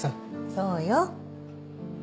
そうよ。